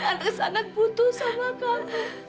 dan tante sangat butuh sama kamu